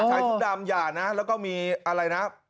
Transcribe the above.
ชุดดำอย่านะแล้วก็มีอะไรนะ